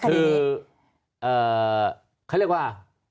คือเขาเรียกว่า